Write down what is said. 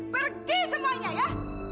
pergi semuanya ya